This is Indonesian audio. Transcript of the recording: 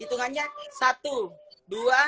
hitungannya satu dua